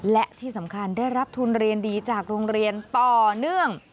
และที่สำคัญได้รับทุนเรียนดีจากโรงเรียนต่อเนื่อง